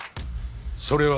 それは。